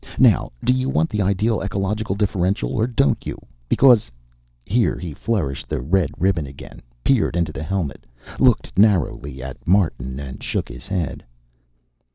Now do you want the ideal ecological differential or don't you? Because " Here he flourished the red ribbon again, peered into the helmet, looked narrowly at Martin, and shook his head.